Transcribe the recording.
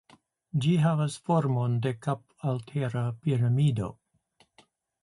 Ĝi havas formon de kapaltera piramido.